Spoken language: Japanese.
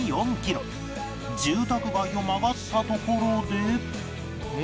住宅街を曲がったところで